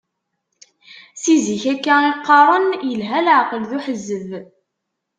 Si zik akka i qqaren, yelha leεqel d uḥezzeb.